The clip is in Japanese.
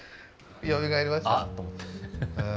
よみがえりました？